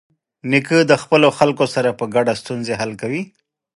نیکه د خپلو خلکو سره په ګډه ستونزې حل کوي.